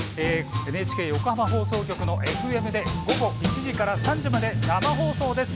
ＮＨＫ横浜放送局のＦＭで午後１時から３時まで生放送です。